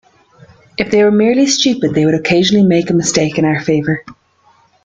If they were merely stupid, they would occasionally make a mistake in our favor.